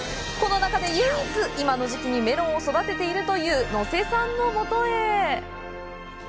この中で、唯一、今の時期にメロンを育てているという能瀬さんのもとへ。